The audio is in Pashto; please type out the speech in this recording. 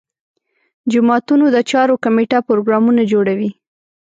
جوماتونو د چارو کمیټه پروګرامونه جوړوي.